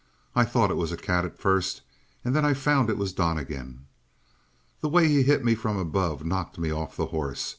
I thought it was a cat at first. And then I found it was Donnegan. "The way he hit me from above knocked me off the horse.